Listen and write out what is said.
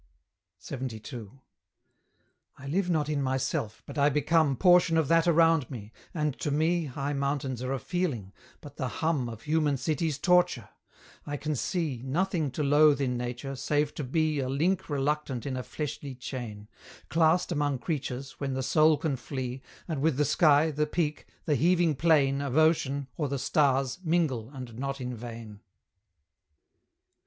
LXXII. I live not in myself, but I become Portion of that around me; and to me, High mountains are a feeling, but the hum Of human cities torture: I can see Nothing to loathe in Nature, save to be A link reluctant in a fleshly chain, Classed among creatures, when the soul can flee, And with the sky, the peak, the heaving plain Of ocean, or the stars, mingle, and not in vain.